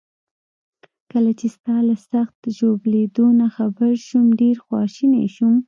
کله چي ستا له سخت ژوبلېدو نه خبر شوم، ډیر خواشینی شوم.